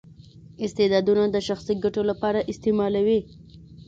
استعدادونه د شخصي ګټو لپاره استعمالوي.